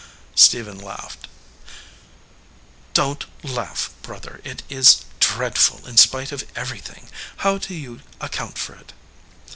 Stephen laughed. "Don t laugh, brother. It is dreadful, in spite of everything. How do you account for it